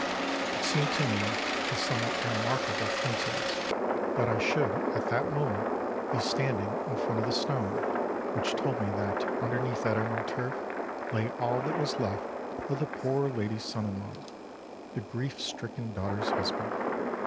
It seemed to me a somewhat remarkable coincidence that I should, at that moment, be standing in front of the stone which told me that, underneath that emerald turf, lay all that was left of the poor lady's son in law, the grief stricken daughter's husband.